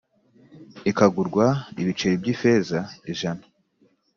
ikagurwa ibiceri by ifeza ijana